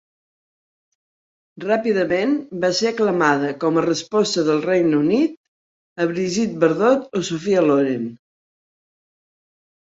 Ràpidament va ser aclamada com a resposta del Regne Unit a Brigitte Bardot o Sophia Loren.